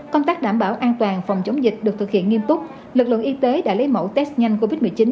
công tác đảm bảo an toàn phòng chống dịch được thực hiện nghiêm túc lực lượng y tế đã lấy mẫu test nhanh covid một mươi chín